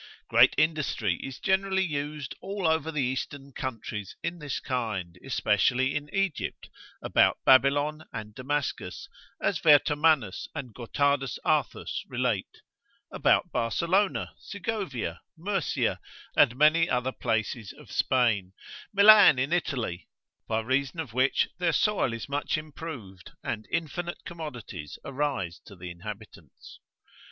Great industry is generally used all over the eastern countries in this kind, especially in Egypt, about Babylon and Damascus, as Vertomannus and Gotardus Arthus relate; about Barcelona, Segovia, Murcia, and many other places of Spain, Milan in Italy; by reason of which, their soil is much impoverished, and infinite commodities arise to the inhabitants.